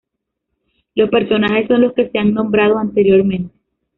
Los personajes son los que se han nombrado anteriormente.